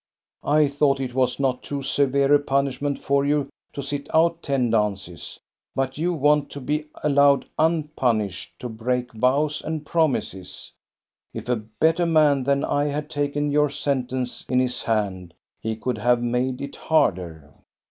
" I thought it was not too severe a punishment for you to sit out ten dances. But you want to be allowed unpunished to break vows and promises. If 72 THE STORY OF GOSTA BERUNG a better man than I had taken your sentence in his hand, he could have made it harder."